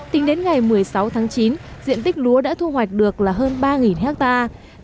tính đến ngày một mươi sáu tháng chín diện tích lúa đã thu hoạch được là hơn ba hectare